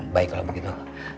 baik kalau begitu